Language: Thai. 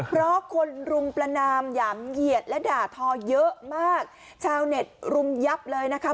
เพราะคนรุมประนามหยามเหยียดและด่าทอเยอะมากชาวเน็ตรุมยับเลยนะคะ